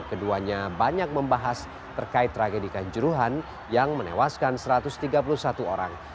keduanya banyak membahas terkait tragedi kanjuruhan yang menewaskan satu ratus tiga puluh satu orang